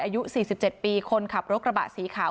อายุ๔๗ปีคนขับรถกระบะสีขาว